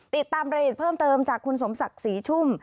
ติดตามรายละเอียดเพิ่มเติมจากคุณสมศักดิ์ศรีชุ่ม